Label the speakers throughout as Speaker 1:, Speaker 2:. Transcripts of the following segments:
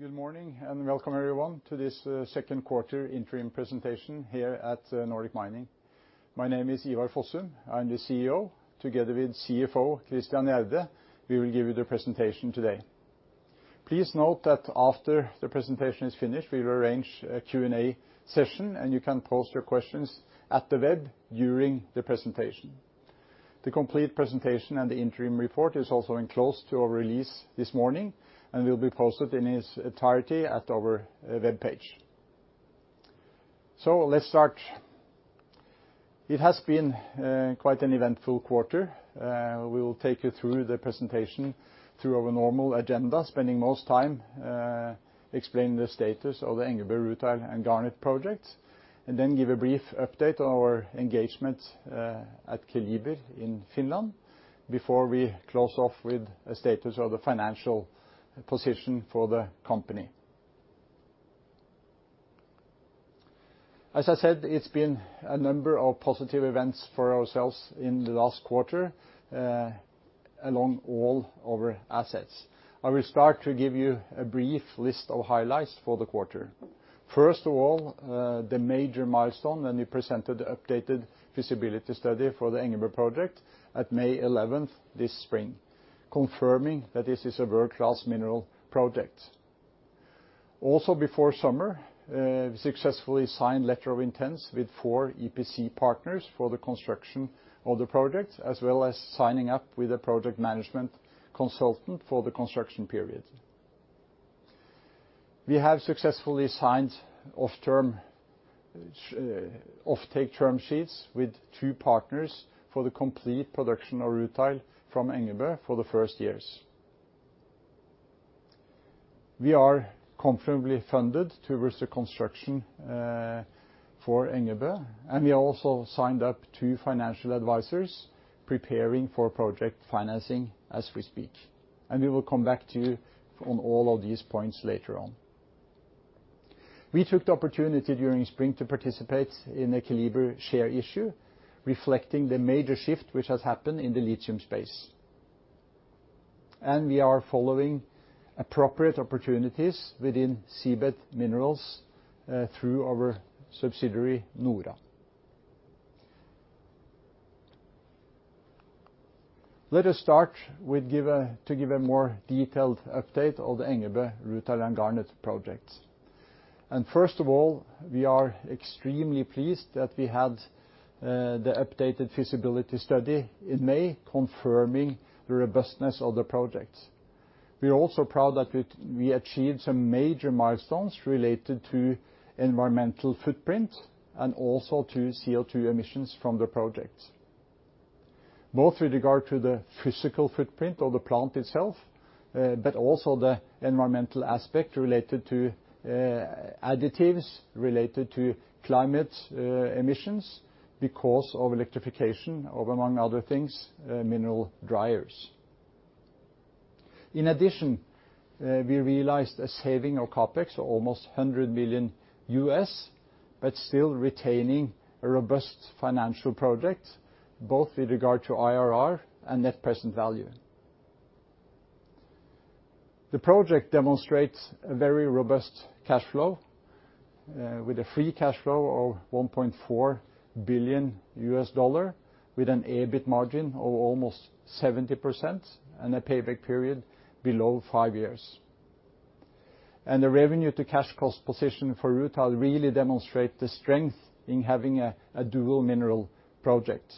Speaker 1: Good morning and welcome everyone to this second quarter interim presentation here at Nordic Mining. My name is Ivar Fossum. I'm the CEO. Together with CFO Christian Gjerde, we will give you the presentation today. Please note that after the presentation is finished, we will arrange a Q&A session, and you can post your questions at the web during the presentation. The complete presentation and the interim report are also enclosed to our release this morning and will be posted in its entirety at our web page. Let's start. It has been quite an eventful quarter. We will take you through the presentation through our normal agenda, spending most time explaining the status of the Engebø, Rutile and Garnet projects, and then give a brief update on our engagement at Keliber in Finland before we close off with a status of the financial position for the company. As I said, it's been a number of positive events for ourselves in the last quarter along all our assets. I will start to give you a brief list of highlights for the quarter. First of all, the major milestone when we presented the updated feasibility study for the Engebø project at May 11th this spring, confirming that this is a world-class mineral project. Also, before summer, we successfully signed a letter of intent with four EPC partners for the construction of the project, as well as signing up with a project management consultant for the construction period. We have successfully signed off-take term sheets with two partners for the complete production of rutile from Engebø for the first years. We are comfortably funded towards the construction for Engebø, and we also signed up two financial advisors preparing for project financing as we speak. We will come back to you on all of these points later on. We took the opportunity during spring to participate in a Keliber share issue reflecting the major shift which has happened in the lithium space. We are following appropriate opportunities within seabed minerals through our subsidiary NORA. Let us start with to give a more detailed update on the Engebø, rutile and garnet projects. First of all, we are extremely pleased that we had the updated feasibility study in May, confirming the robustness of the projects. We are also proud that we achieved some major milestones related to environmental footprint and also to CO2 emissions from the projects, both with regard to the physical footprint of the plant itself, but also the environmental aspect related to additives related to climate emissions because of electrification of, among other things, mineral dryers. In addition, we realized a saving of capex of almost $100 million, but still retaining a robust financial project, both with regard to IRR and net present value. The project demonstrates a very robust cash flow with a free cash flow of $1.4 billion, with an EBIT margin of almost 70% and a payback period below five years. The revenue-to-cash cost position for rutile really demonstrates the strength in having a dual mineral project.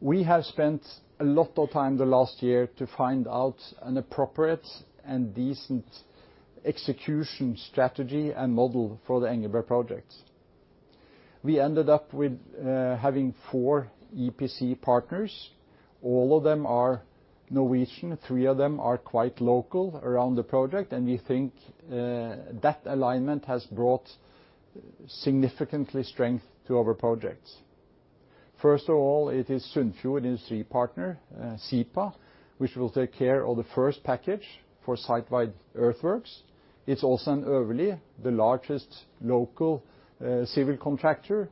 Speaker 1: We have spent a lot of time the last year to find out an appropriate and decent execution strategy and model for the Engebø project. We ended up with having four EPC partners. All of them are Norwegian. Three of them are quite local around the project, and we think that alignment has brought significant strength to our projects. First of all, it is Sunnfjord IndustriPartner AS, SIPA, which will take care of the first package for site-wide earthworks. Åsen & Øvrelid, the largest local civil contractor,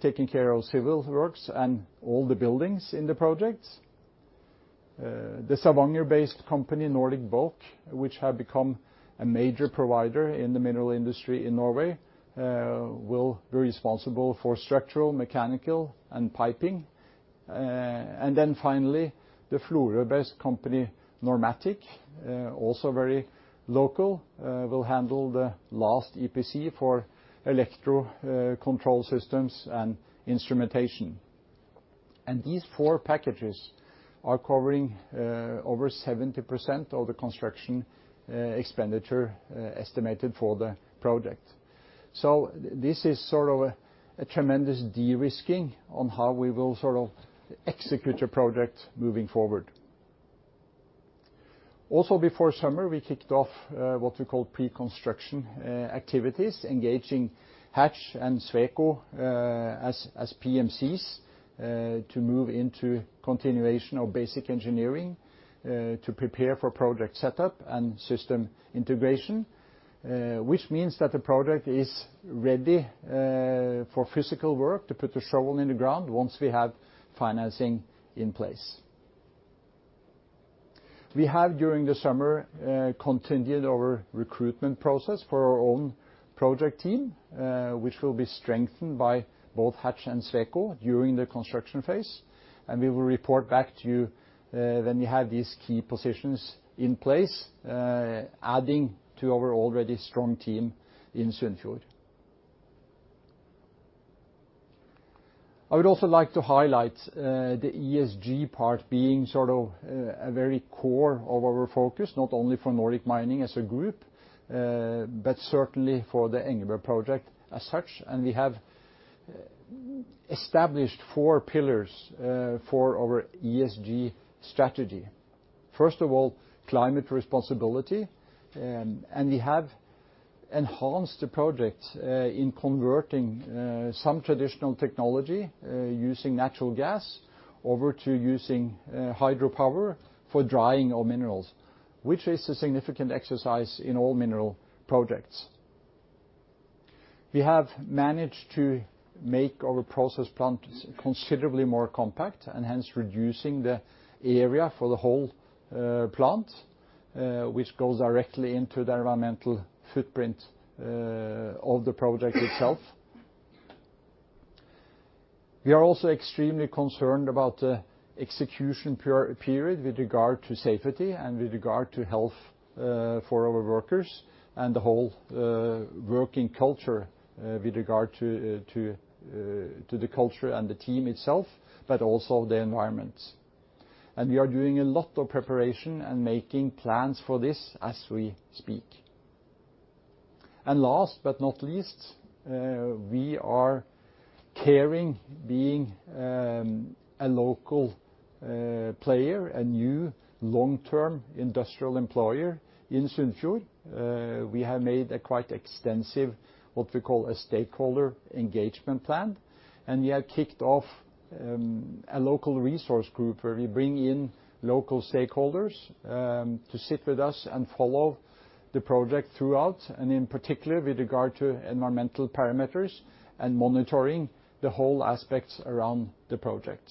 Speaker 1: taking care of civil works and all the buildings in the project. The Stavanger-based company Nordic Bulk, which has become a major provider in the mineral industry in Norway, will be responsible for structural, mechanical, and piping. Finally, the Florø-based company Normatic, also very local, will handle the last EPC for electrical control systems and instrumentation. These four packages are covering over 70% of the construction expenditure estimated for the project. This is sort of a tremendous de-risking on how we will sort of execute the project moving forward. Also, before summer, we kicked off what we call pre-construction activities, engaging Hatch and Sweco as PMCs to move into continuation of basic engineering to prepare for project setup and system integration, which means that the project is ready for physical work to put the shovel in the ground once we have financing in place. We have, during the summer, continued our recruitment process for our own project team, which will be strengthened by both Hatch and Sweco during the construction phase. We will report back to you when we have these key positions in place, adding to our already strong team in Sunnfjord. I would also like to highlight the ESG part being sort of a very core of our focus, not only for Nordic Mining as a group, but certainly for the Engebø project as such. We have established four pillars for our ESG strategy. First of all, climate responsibility. We have enhanced the project in converting some traditional technology using natural gas over to using hydropower for drying of minerals, which is a significant exercise in all mineral projects. We have managed to make our process plant considerably more compact and hence reducing the area for the whole plant, which goes directly into the environmental footprint of the project itself. We are also extremely concerned about the execution period with regard to safety and with regard to health for our workers and the whole working culture with regard to the culture and the team itself, but also the environment. We are doing a lot of preparation and making plans for this as we speak. Last but not least, we are caring, being a local player, a new long-term industrial employer in Sunnfjord. We have made a quite extensive, what we call a stakeholder engagement plan. We have kicked off a local resource group where we bring in local stakeholders to sit with us and follow the project throughout, in particular with regard to environmental parameters and monitoring the whole aspects around the project.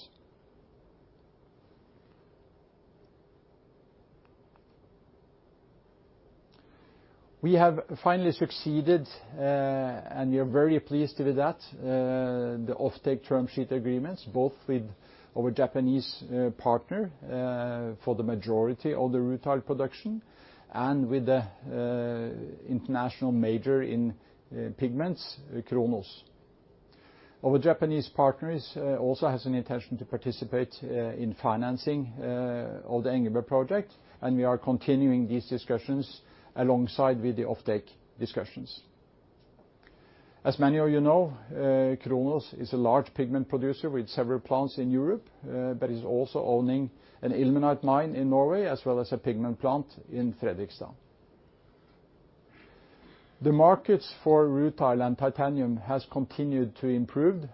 Speaker 1: We have finally succeeded, and we are very pleased with that, the off-take term sheet agreements, both with our Japanese partner for the majority of the rutile production and with the international major in pigments, Kronos. Our Japanese partners also have an intention to participate in financing of the Engebø project, and we are continuing these discussions alongside with the off-take discussions. As many of you know, Kronos is a large pigment producer with several plants in Europe, but is also owning an ilmenite mine in Norway, as well as a pigment plant in Fredrikstad. The markets for rutile and titanium have continued to improve,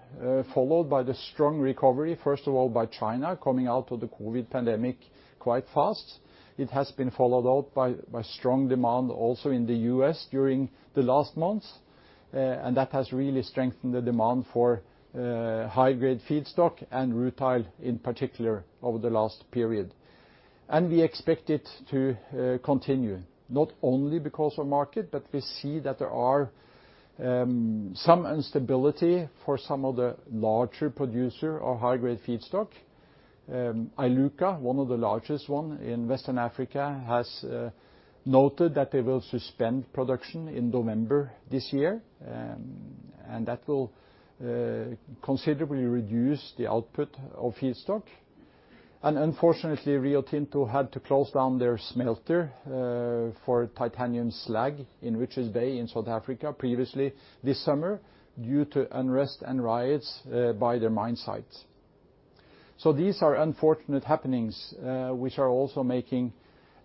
Speaker 1: followed by the strong recovery, first of all, by China coming out of the COVID pandemic quite fast. It has been followed up by strong demand also in the U.S. during the last months, and that has really strengthened the demand for high-grade feedstock and rutile in particular over the last period. We expect it to continue, not only because of market, but we see that there is some instability for some of the larger producers of high-grade feedstock. Iluka, one of the largest ones in Western Africa, has noted that they will suspend production in November this year, and that will considerably reduce the output of feedstock. Unfortunately, Rio Tinto had to close down their smelter for titanium slag in Richards Bay in South Africa previously this summer due to unrest and riots by their mine sites. These are unfortunate happenings which are also making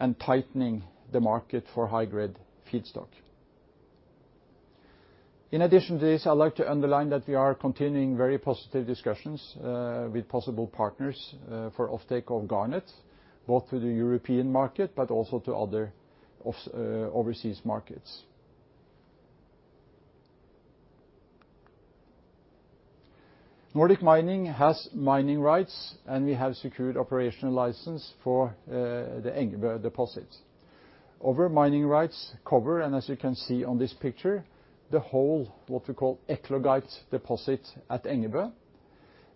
Speaker 1: and tightening the market for high-grade feedstock. In addition to this, I'd like to underline that we are continuing very positive discussions with possible partners for off-take of garnet, both to the European market, but also to other overseas markets. Nordic Mining has mining rights, and we have secured operational license for the Engebø deposit. Our mining rights cover, and as you can see on this picture, the whole what we call eclogite deposit at Engebø,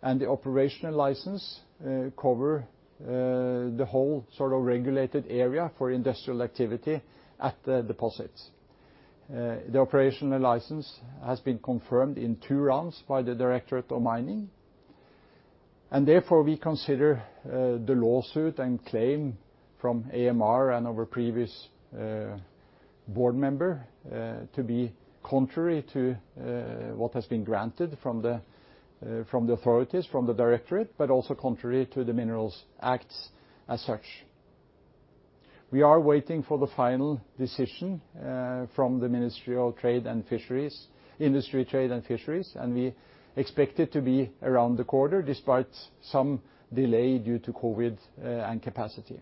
Speaker 1: and the operational license covers the whole sort of regulated area for industrial activity at the deposit. The operational license has been confirmed in two rounds by the Directorate of Mining. Therefore, we consider the lawsuit and claim from AMR and our previous board member to be contrary to what has been granted from the authorities, from the Directorate, but also contrary to the Minerals Act as such. We are waiting for the final decision from the Ministry of Trade and Industry Trade and Fisheries, and we expect it to be around the corner despite some delay due to COVID and capacity.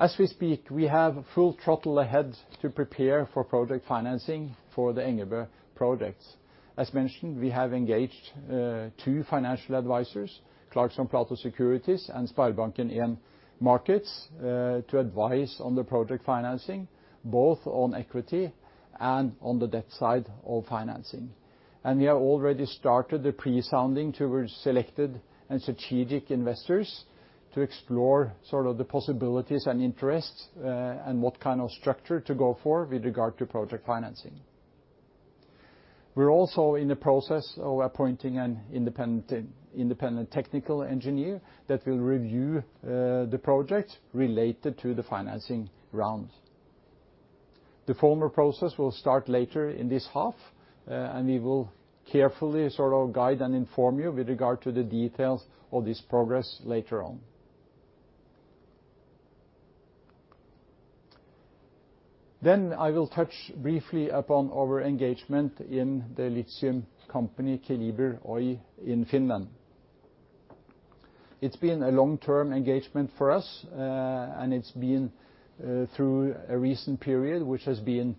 Speaker 1: As we speak, we have full throttle ahead to prepare for project financing for the Engebø projects. As mentioned, we have engaged two financial advisors, Clarkson Platou Securities and Sparebanken 1 Markets, to advise on the project financing, both on equity and on the debt side of financing. We have already started the pre-sounding to selected and strategic investors to explore sort of the possibilities and interests and what kind of structure to go for with regard to project financing. We are also in the process of appointing an independent technical engineer that will review the project related to the financing round. The formal process will start later in this half, and we will carefully sort of guide and inform you with regard to the details of this progress later on. I will touch briefly upon our engagement in the lithium company, Keliber Oy, in Finland. It has been a long-term engagement for us, and it has been through a recent period which has been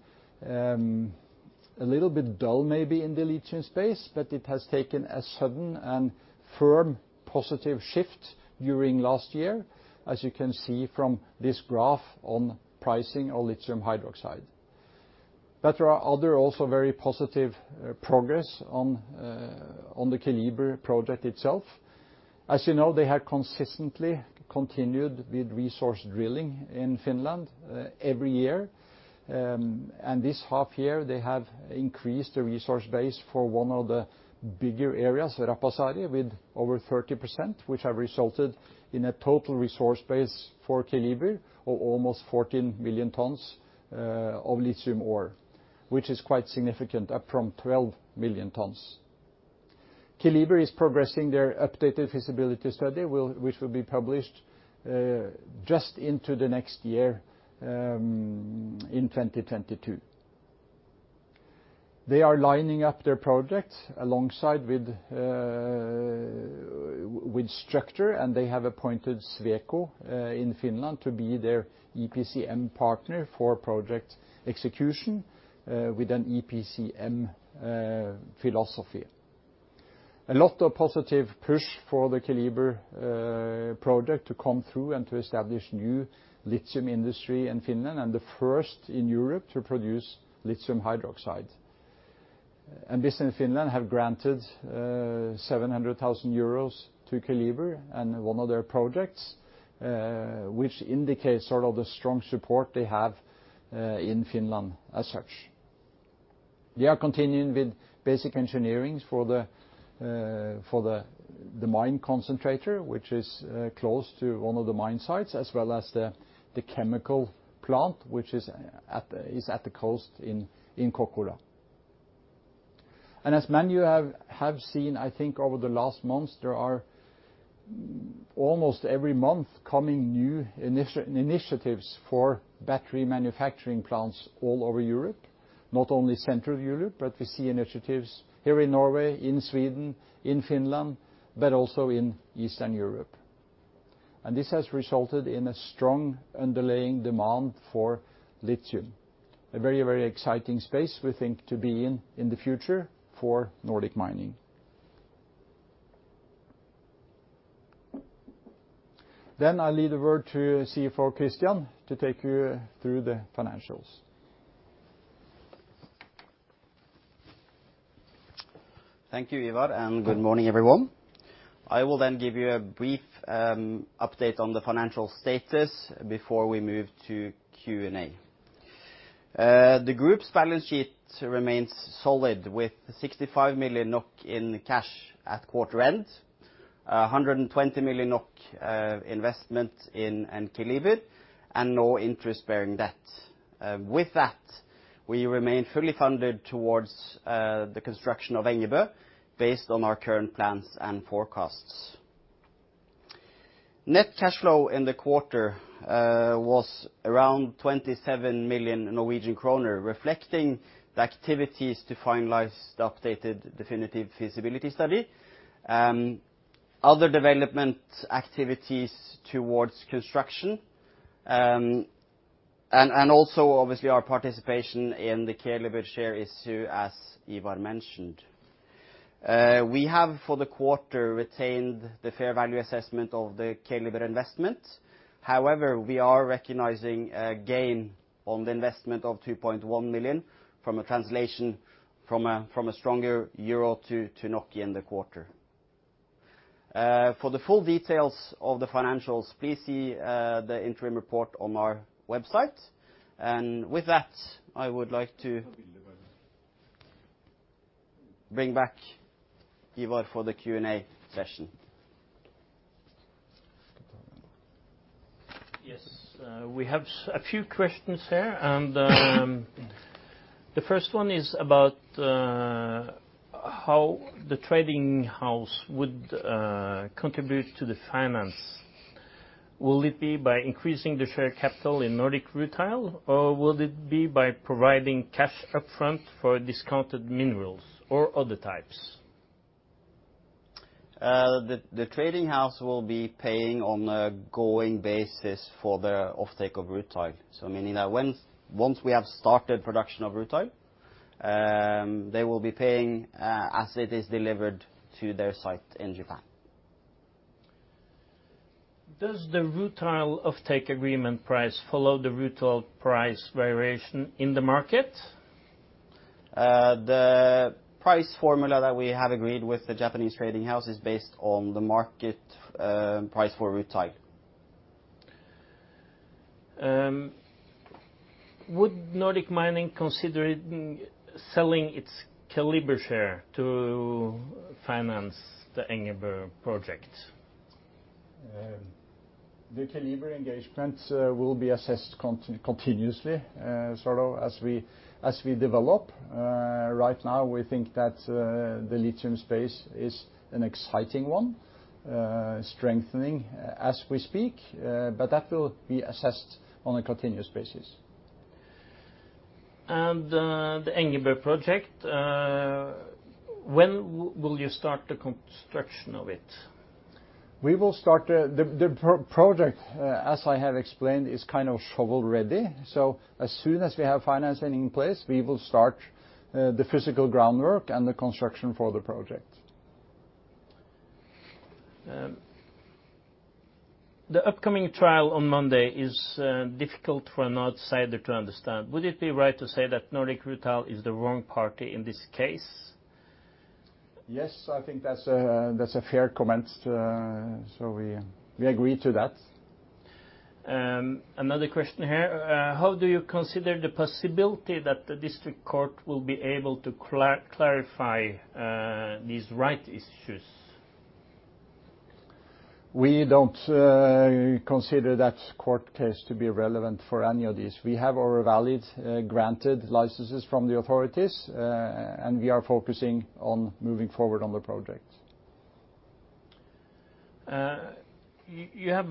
Speaker 1: a little bit dull maybe in the lithium space, but it has taken a sudden and firm positive shift during last year, as you can see from this graph on pricing of lithium hydroxide. There are also very positive progress on the Keliber project itself. As you know, they have consistently continued with resource drilling in Finland every year. This half year, they have increased the resource base for one of the bigger areas, Reposaari, with over 30%, which has resulted in a total resource base for Keliber of almost 14 million tons of lithium ore, which is quite significant, up from 12 million tons. Keliber is progressing their updated feasibility study, which will be published just into the next year in 2022. They are lining up their projects alongside with structure, and they have appointed Sweco in Finland to be their EPCM partner for project execution with an EPCM philosophy. A lot of positive push for the Keliber project to come through and to establish new lithium industry in Finland and the first in Europe to produce lithium hydroxide. Business Finland has granted 700,000 euros to Keliber and one of their projects, which indicates sort of the strong support they have in Finland as such. They are continuing with basic engineering for the mine concentrator, which is close to one of the mine sites, as well as the chemical plant, which is at the coast in Kokkola. As many have seen, I think over the last months, there are almost every month coming new initiatives for battery manufacturing plants all over Europe, not only central Europe, but we see initiatives here in Norway, in Sweden, in Finland, but also in Eastern Europe. This has resulted in a strong underlying demand for lithium, a very, very exciting space we think to be in in the future for Nordic Mining. I will leave the word to CFO Christian to take you through the financials.
Speaker 2: Thank you, Ivar, and good morning, everyone. I will then give you a brief update on the financial status before we move to Q&A. The group's balance sheet remains solid with 65 million NOK in cash at quarter end, 120 million NOK investment in Keliber, and no interest-bearing debt. With that, we remain fully funded towards the construction of Engebø based on our current plans and forecasts. Net cash flow in the quarter was around 27 million Norwegian kroner, reflecting the activities to finalize the updated definitive feasibility study, other development activities towards construction, and also, obviously, our participation in the Keliber share issue, as Ivar mentioned. We have, for the quarter, retained the fair value assessment of the Keliber investment. However, we are recognizing a gain on the investment of 2.1 million from a translation from a stronger euro to NOK in the quarter. For the full details of the financials, please see the interim report on our website. I would like to bring back Ivar for the Q&A session.
Speaker 3: Yes, we have a few questions here. The first one is about how the trading house would contribute to the finance. Will it be by increasing the share capital in Nordic rutile, or will it be by providing cash upfront for discounted minerals or other types?
Speaker 2: The trading house will be paying on a going basis for the off-take of rutile, meaning that once we have started production of rutile, they will be paying as it is delivered to their site in Japan.
Speaker 3: Does the rutile off-take agreement price follow the rutile price variation in the market?
Speaker 2: The price formula that we have agreed with the Japanese trading house is based on the market price for rutile.
Speaker 3: Would Nordic Mining consider selling its Keliber share to finance the Engebø project?
Speaker 1: The Keliber engagement will be assessed continuously, sort of as we develop. Right now, we think that the lithium space is an exciting one, strengthening as we speak, but that will be assessed on a continuous basis.
Speaker 3: The Engebø project, when will you start the construction of it?
Speaker 1: We will start the project, as I have explained, is kind of shovel-ready. As soon as we have financing in place, we will start the physical groundwork and the construction for the project.
Speaker 3: The upcoming trial on Monday is difficult for an outsider to understand. Would it be right to say that Nordic Mining is the wrong party in this case?
Speaker 1: Yes, I think that's a fair comment, so we agree to that.
Speaker 3: Another question here. How do you consider the possibility that the district court will be able to clarify these right issues?
Speaker 1: We don't consider that court case to be relevant for any of these. We have our valid granted licenses from the authorities, and we are focusing on moving forward on the project.
Speaker 3: You have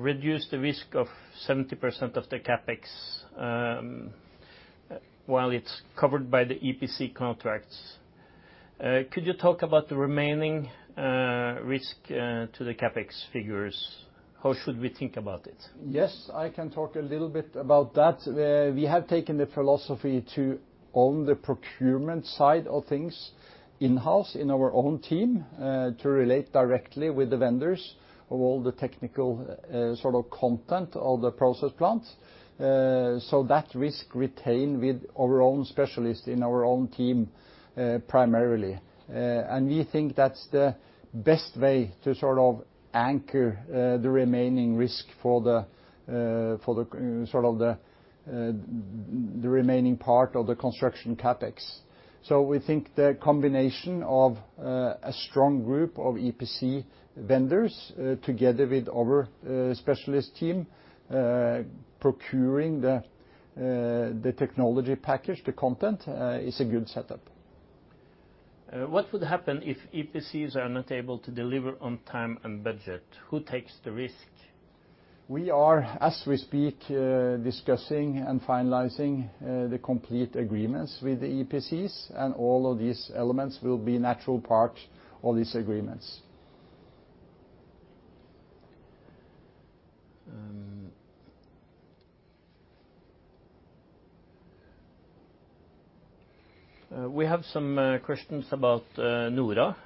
Speaker 3: reduced the risk of 70% of the CapEx while it's covered by the EPC contracts. Could you talk about the remaining risk to the CapEx figures? How should we think about it?
Speaker 1: Yes, I can talk a little bit about that. We have taken the philosophy to own the procurement side of things in-house in our own team to relate directly with the vendors of all the technical sort of content of the process plant so that risk retained with our own specialists in our own team primarily. We think that's the best way to sort of anchor the remaining risk for the sort of the remaining part of the construction CapEx. We think the combination of a strong group of EPC vendors together with our specialist team procuring the technology package, the content, is a good setup.
Speaker 3: What would happen if EPCs are not able to deliver on time and budget? Who takes the risk?
Speaker 1: We are, as we speak, discussing and finalizing the complete agreements with the EPCs, and all of these elements will be a natural part of these agreements.
Speaker 3: We have some questions about Nora.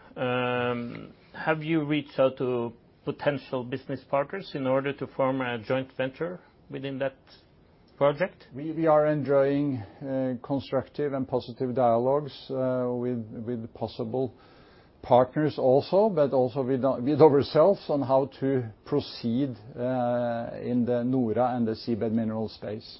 Speaker 3: Have you reached out to potential business partners in order to form a joint venture within that project?
Speaker 1: We are enjoying constructive and positive dialogues with possible partners also, but also with ourselves on how to proceed in the Nora and the Seabed Minerals space.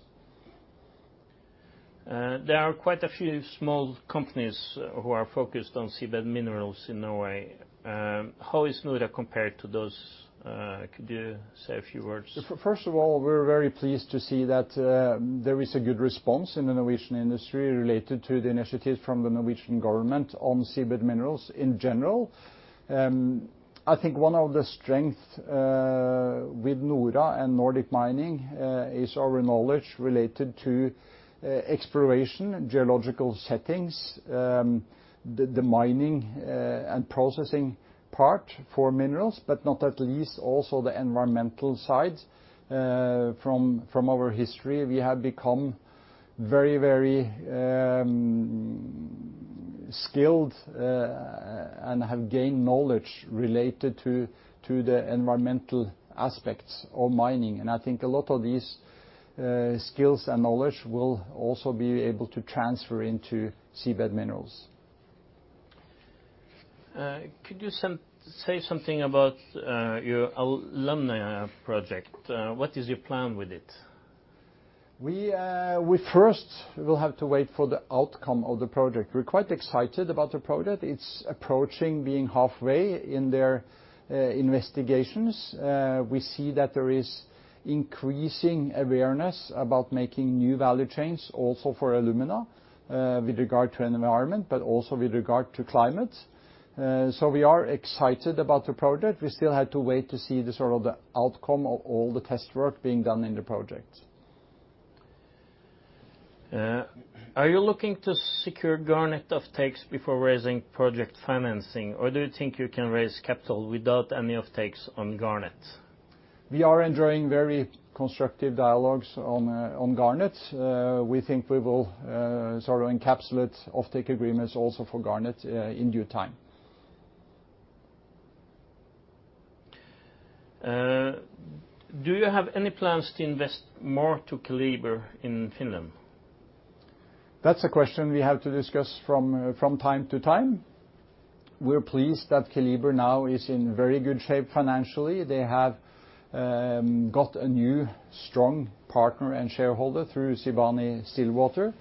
Speaker 3: There are quite a few small companies who are focused on seabed minerals in Norway. How is Nora compared to those? Could you say a few words?
Speaker 1: First of all, we're very pleased to see that there is a good response in the Norwegian industry related to the initiatives from the Norwegian government on seabed minerals in general. I think one of the strengths with NORA and Nordic Mining is our knowledge related to exploration, geological settings, the mining and processing part for minerals, but not at least also the environmental side. From our history, we have become very, very skilled and have gained knowledge related to the environmental aspects of mining. I think a lot of these skills and knowledge will also be able to transfer into seabed minerals.
Speaker 3: Could you say something about your alumni project? What is your plan with it?
Speaker 1: We first will have to wait for the outcome of the project. We're quite excited about the project. It's approaching being halfway in their investigations. We see that there is increasing awareness about making new value chains also for alumina with regard to environment, but also with regard to climate. We are excited about the project. We still have to wait to see the sort of the outcome of all the test work being done in the project.
Speaker 3: Are you looking to secure garnet off-takes before raising project financing, or do you think you can raise capital without any off-takes on garnet?
Speaker 1: We are enjoying very constructive dialogues on garnet. We think we will sort of encapsulate off-take agreements also for garnet in due time.
Speaker 3: Do you have any plans to invest more to Keliber in Finland?
Speaker 1: That's a question we have to discuss from time to time. We're pleased that Keliber now is in very good shape financially. They have got a new strong partner and shareholder through Sibanye Stillwater,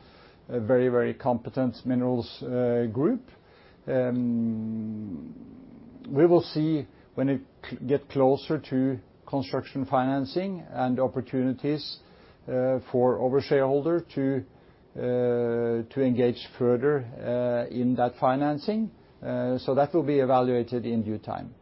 Speaker 1: a very, very competent minerals group. We will see when we get closer to construction financing and opportunities for our shareholder to engage further in that financing. That will be evaluated in due time.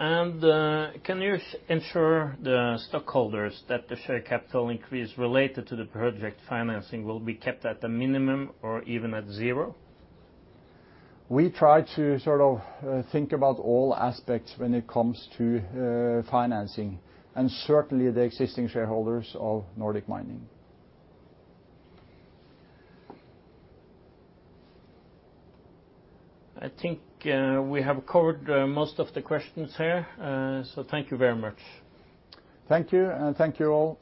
Speaker 3: Can you ensure the stockholders that the share capital increase related to the project financing will be kept at a minimum or even at zero?
Speaker 1: We try to sort of think about all aspects when it comes to financing, and certainly the existing shareholders of Nordic Mining.
Speaker 3: I think we have covered most of the questions here, so thank you very much.
Speaker 1: Thank you, and thank you all.